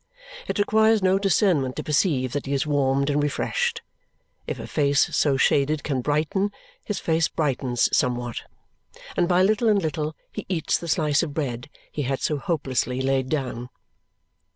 It requires no discernment to perceive that he is warmed and refreshed. If a face so shaded can brighten, his face brightens somewhat; and by little and little he eats the slice of bread he had so hopelessly laid down.